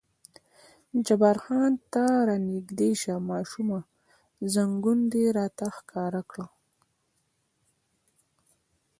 جبار خان: ته را نږدې شه ماشومه، زنګون دې راته ښکاره کړه.